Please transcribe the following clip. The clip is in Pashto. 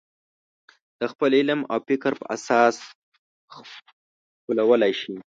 د خپل علم او فکر په اساس خپلولی شي.